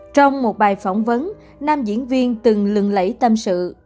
trong một bài phỏng vấn nam diễn viên từng lừng lẫy tâm sự